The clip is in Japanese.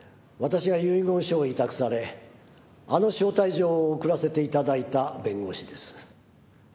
私が遺言書を委託されあの招待状を送らせて頂いた弁護士です。